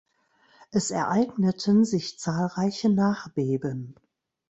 Es ereigneten sich zahlreiche Nachbeben.